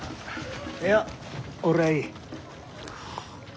いや俺はいい。